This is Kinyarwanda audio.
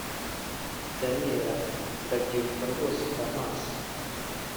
daniel ati: ndabyibuka rwose damas